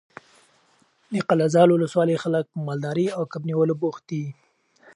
د قلعه زال ولسوالۍ خلک په مالدارۍ او کب نیولو بوخت دي.